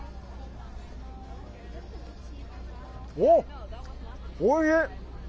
おお、おいしい。